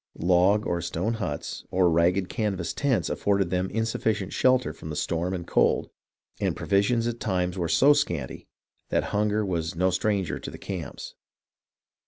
Log or stone huts or ragged canvas tents afforded them insufficient shelter from storm and cold, and provi sions at times were so scanty that hunger was no stranger to the camps.